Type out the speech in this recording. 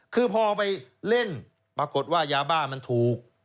คือพอไปเล่นปรากฏว่ายาบ้ามันถูก